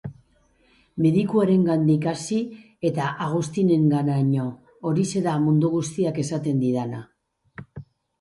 Medikuarengandik hasi eta Agustinenganaino, horixe da mundu guztiak esaten didana.